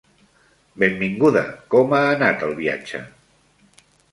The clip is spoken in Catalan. Benvinguda. Com ha anat el viatge?